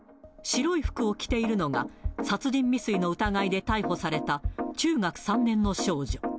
白い服を着ているのが、殺人未遂の疑いで逮捕された中学３年の少女。